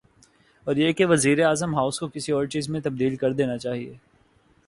اوریہ کہ وزیراعظم ہاؤس کو کسی اورچیز میں تبدیل کرنا چاہیے۔